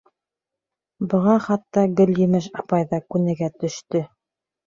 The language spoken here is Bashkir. Быға хатта Гөлйемеш апай ҙа күнегә төштө.